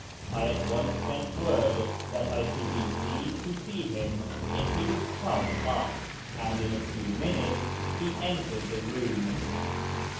I at once sent word that I should be pleased to see him if he would come up, and in a few minutes he entered the room.